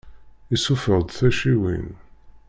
Issuffeɣ-d taciwin.